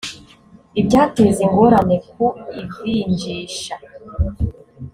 ibyateza ingorane ku ivinjisha